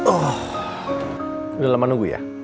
udah lama nunggu ya